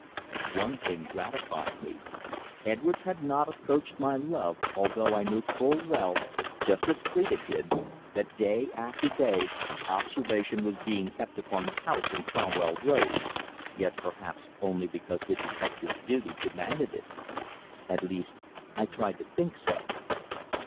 One thing gratified me. Edwards had not approached my love, although I knew full well, just as Phrida did, that day after day observation was being kept upon the house in Cromwell Road, yet perhaps only because the detective's duty demanded it. At least I tried to think so.